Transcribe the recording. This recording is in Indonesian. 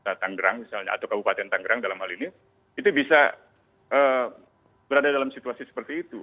karena ketutang gerang misalnya atau kabupaten tanggerang dalam hal ini itu bisa berada dalam situasi seperti itu